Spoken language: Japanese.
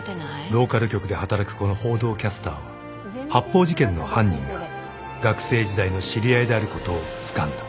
［ローカル局で働くこの報道キャスターは発砲事件の犯人が学生時代の知り合いであることをつかんだ］